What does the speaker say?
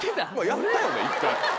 やったよね１回。